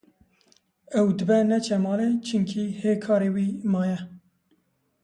Ew dibe neçe malê çunkî hê karê wî maye